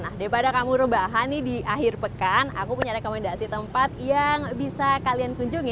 nah daripada kamu rebahan nih di akhir pekan aku punya rekomendasi tempat yang bisa kalian kunjungi